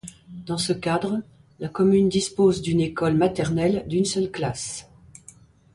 Dans ce cadre, la commune dispose d'une éocle maternelle d'une seule classe.